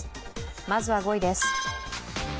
まずは５位です。